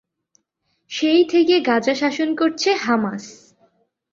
সেই থেকে গাজা শাসন করছে হামাস।